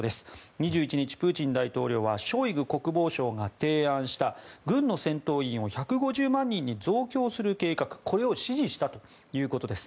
２１日、プーチン大統領はショイグ国防相が提案した軍の戦闘員を１５０万人に増強する計画を支持したということです。